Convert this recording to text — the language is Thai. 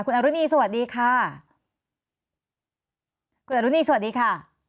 คุณอรุณีสวัสดีค่ะคุณอรุณีสวัสดีค่ะ